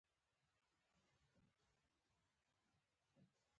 ما وويل يه تبه خو مې نه وه.